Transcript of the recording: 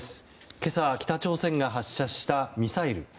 今朝、北朝鮮が発射したミサイル。